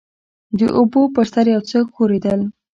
د اوبو پر سر يو څه ښورېدل.